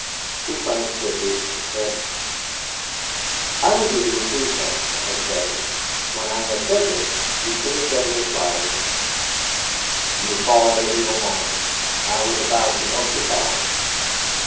"Two francs fifty," said he. "I will give you three francs," I said, and when I had said this he shook his head and replied: "You fall at an evil moment; I was about to milk the cows."